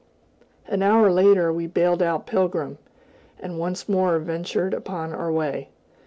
An hour later, we bailed out Pilgrim, and once more ventured upon our way.